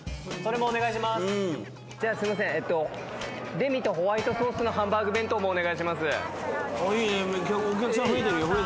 デミとホワイトソースのハンバーグ弁当もお願いします。